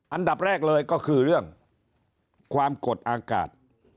อันดับแรกเลยก็คือเรื่องความกดอากาศ